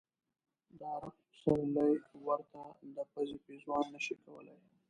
د عرب پسرلی ورته د پزې پېزوان نه شي کولای.